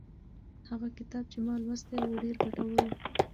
هغه کتاب چې ما لوستی و ډېر ګټور و.